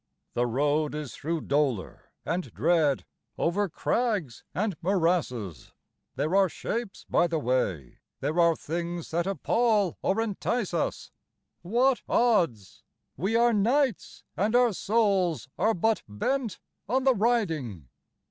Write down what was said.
The road is thro' dolor and dread, over crags and morasses; There are shapes by the way, there are things that appal or entice us: What odds? We are knights, and our souls are but bent on the riding!